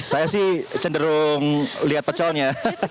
saya sih cenderung lihat pecelnya